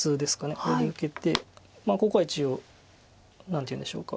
これで受けてここは一応何ていうんでしょうか